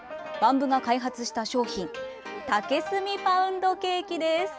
ＢＡＭ部が開発した商品竹炭パウンドケーキです！